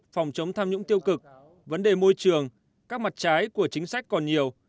phòng chống tham nhũng tiêu cực vấn đề môi trường các mặt trái của chính sách còn nhiều